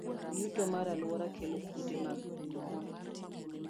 Yuto mar alwora kelo kute mag ng'ol.